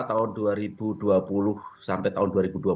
tahun dua ribu dua puluh sampai tahun dua ribu dua puluh